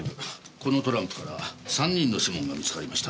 このトランプから３人の指紋が見つかりました。